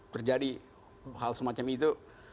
terjadi hal semacam itu